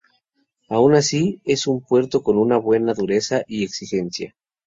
Aun así, es un puerto con una buena dureza y exigencia.